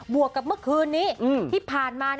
วกกับเมื่อคืนนี้ที่ผ่านมา